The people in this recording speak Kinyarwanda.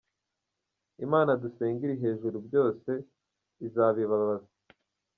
Imana dusenga iri hejuru byose izabibabaza.